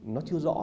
nó chưa rõ